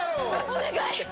お願い！